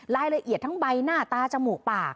รายละเอียดทั้งใบหน้าตาจมูกปาก